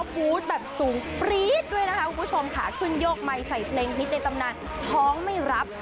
พูดแบบสูงปรี๊ดด้วยนะคะคุณผู้ชมค่ะขึ้นโยกไมค์ใส่เพลงฮิตในตำนานท้องไม่รับ